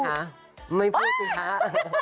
ถ้าถ้าถ้าถ้าถ้า